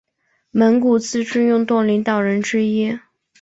蒙古自治运动领导人之一。